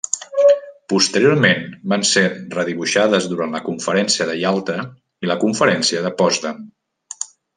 Posteriorment, van ser redibuixades durant la Conferència de Ialta i la Conferència de Potsdam.